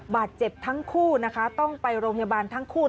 บาดเจ็บทั้งคู่นะคะต้องไปโรงพยาบาลทั้งคู่